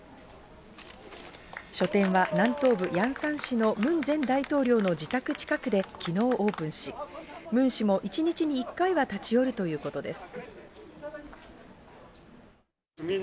書店は南東部ヤンサン市のムン前大統領の自宅近くできのうオープンし、ムン氏も１日に１回は立ち寄るということです。